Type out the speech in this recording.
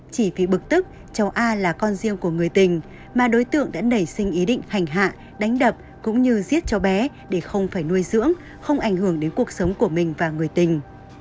chỉ vì bực tức cháu a là con riêng của người tình mà đối tượng đã nảy sinh ý định hành hạ đánh đập cũng như giết cháu bé để không phải nuôi dưỡng không ảnh hưởng đến cuộc sống của mình và người tình